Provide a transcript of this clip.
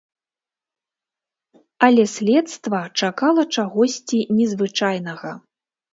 Але следства чакала чагосьці незвычайнага.